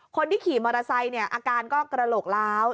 คนที่ขี่มอเตอร์ไซค์เนี่ยอาการก็กระโหลกล้าว